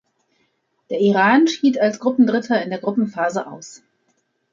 Der Iran schied als Gruppendritter in der Gruppenphase aus.